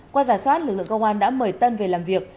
qua giả soát lực lượng công an đã mời tân về làm việc